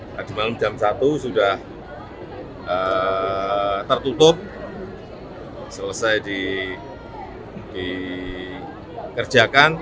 tadi malam jam satu sudah tertutup selesai dikerjakan